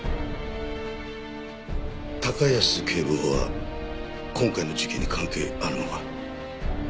高安警部補は今回の事件に関係あるのか？